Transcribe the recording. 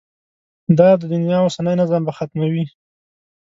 دا د دنیا اوسنی نظم به ختموي.